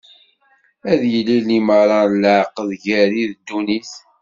Ad yili d limaṛa n leɛqed gar-i d ddunit.